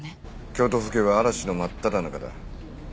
京都府警は嵐の真っただ中だ。